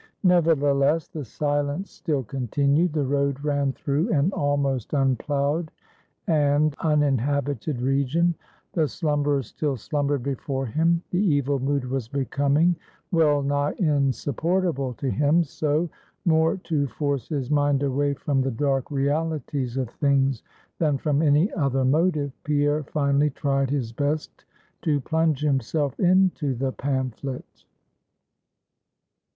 Nevertheless, the silence still continued; the road ran through an almost unplowed and uninhabited region; the slumberers still slumbered before him; the evil mood was becoming well nigh insupportable to him; so, more to force his mind away from the dark realities of things than from any other motive, Pierre finally tried his best to plunge himself into the pamphlet.